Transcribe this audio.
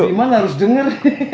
jangan di mana harus dengar